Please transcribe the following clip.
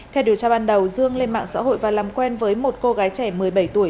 theo điều tra ban đầu dương lên mạng xã hội và làm quen với một cô gái trẻ một mươi bảy tuổi